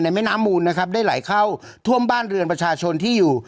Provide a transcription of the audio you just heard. แม่น้ำมูลนะครับได้ไหลเข้าท่วมบ้านเรือนประชาชนที่อยู่